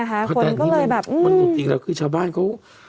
คราวนี้บางคนคิดว่าว่าชาวบ้านก็